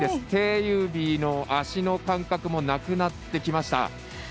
手指の足の感覚もなくなってきました。